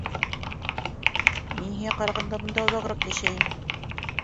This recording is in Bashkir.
Мин һиңә ҡарағанда бында оҙағыраҡ йәшәйем.